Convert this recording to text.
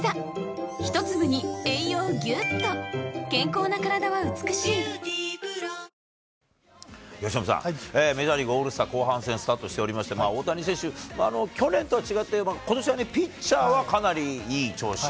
そのほかの各地は、由伸さん、メジャーリーグオールスター後半戦スタートしておりまして、大谷選手、去年とは違って、ことしはピッチャーはかなりいい調子。